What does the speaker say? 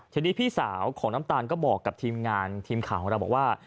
ทีนี้พี่สาวของน้ำตาลก็บอกกับทีมงานทีมข่าวของเราบอกว่า